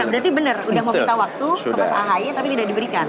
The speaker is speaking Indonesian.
berarti benar udah mau minta waktu ke mas ahy tapi tidak diberikan